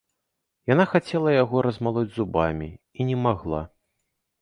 Яна хацела яго размалоць зубамі і не магла.